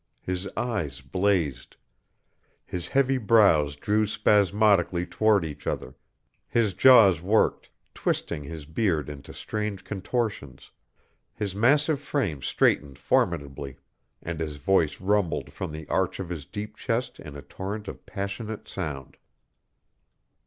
His eyes blazed; his heavy brows drew spasmodically toward each other; his jaws worked, twisting his beard into strange contortions; his massive frame straightened formidably; and his voice rumbled from the arch of his deep chest in a torrent of passionate sound.